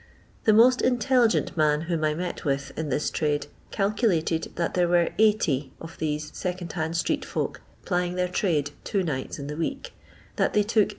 The most intelligent man whom I met with in this trade calculated that there were 80 of these second hand street folk plying their trade two nights in the week ; that they took 8«.